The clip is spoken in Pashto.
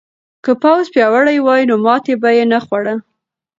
که پوځ پیاوړی وای نو ماتې به یې نه خوړه.